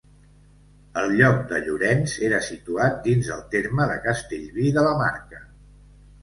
El lloc de Llorenç era situat dins el terme de Castellví de la Marca.